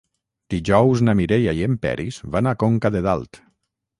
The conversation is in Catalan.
Dijous na Mireia i en Peris van a Conca de Dalt.